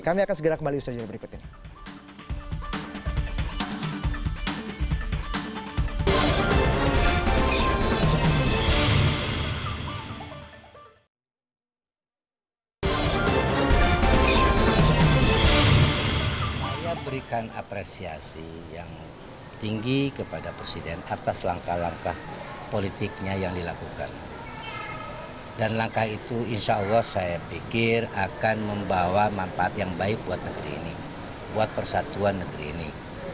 kami akan segera kembali usaha jadwal berikut ini